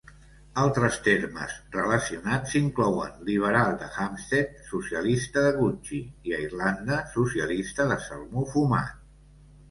Altres termes relacionats inclouen "Liberal de Hampstead, socialista de Gucci" i, a Irlanda, "socialista de salmó fumat".